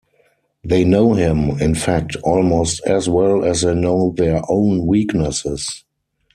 They know him, in fact, almost as well as they know their own weaknesses.